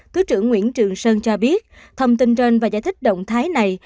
thứ trưởng nguyễn trường sơn cho biết thông tin trên và giải thích động thái này